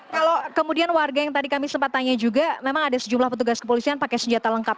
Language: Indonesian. kalau kemudian warga yang tadi kami sempat tanya juga memang ada sejumlah petugas kepolisian pakai senjata lengkap